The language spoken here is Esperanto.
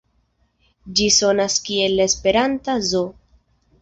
Ĝi sonas kiel la esperanta Zo.